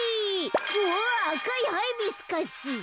うわっあかいハイビスカス。